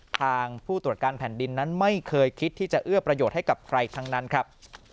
ทางผู้ตรวจการแผ่นดินนั้นไม่เคยคิดที่จะเอื้อประโยชน์ให้กับใครทั้งนั้นครับ